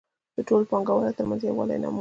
د ټولو پانګوالو ترمنځ یووالی ناممکن وو